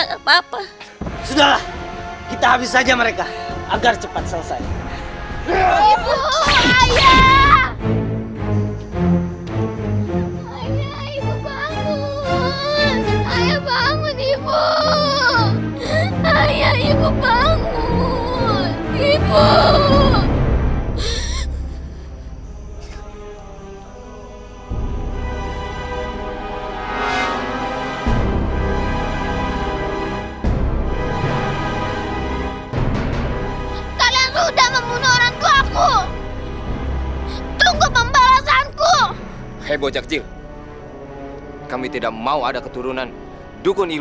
sampai jumpa di video selanjutnya